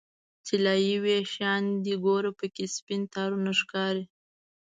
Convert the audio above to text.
طلایې ویښان دې ګوره پکې سپین تارونه ښکاري